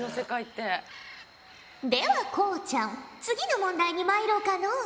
ではこうちゃん次の問題にまいろうかのう。